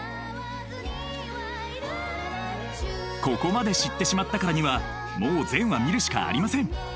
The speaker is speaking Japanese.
ここまで知ってしまったからにはもう全話見るしかありません。